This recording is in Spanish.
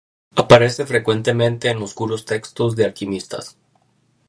Aparece frecuentemente en oscuros textos de alquimistas.